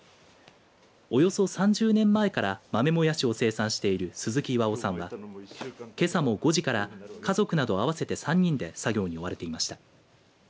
およそ３０年前から豆もやしを生産している鈴木巌さんはけさも５時から家族など合わせて３人で作業に追われていました。